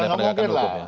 ya tidak mungkin lah